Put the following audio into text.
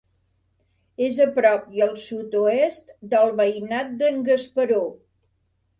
És a prop i al sud-oest del Veïnat d'en Gasparó.